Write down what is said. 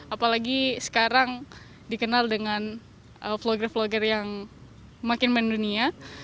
apalagi sekarang dikenal dengan vlogger vlogger yang makin mendunia